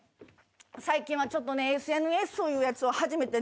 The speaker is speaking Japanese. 最近はちょっとねＳＮＳいうやつを始めてね